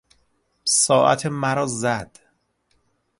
ساعت مرا زد.